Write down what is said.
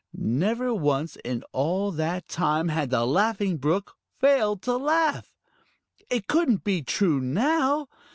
Never once in all that time had the Laughing Brook failed to laugh. It couldn't be true now!